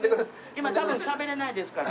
今多分しゃべれないですから。